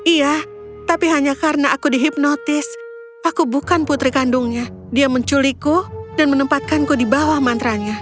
iya tapi hanya karena aku dihipnotis aku bukan putri kandungnya dia menculikku dan menempatkanku di bawah mantranya